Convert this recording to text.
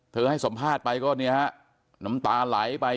ให้สัมภาษณ์ไปก็เนี่ยฮะน้ำตาไหลไป